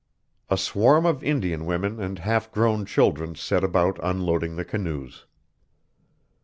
A swarm of Indian women and half grown children set about unloading the canoes.